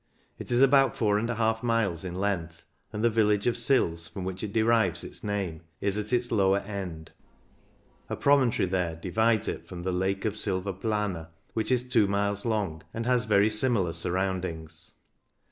It is about 4^ miles in length, and the village of Sils from which it derives its name is at its lower end. A promontory there divides it from the Lake of Silvaplana, which is two miles long, and has very similar surroundings.